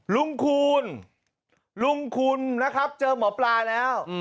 ลุงคูณลุงคุณนะครับเจอหมอปลาแล้ว